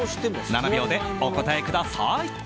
７秒で、お答えください！